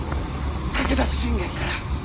武田信玄から。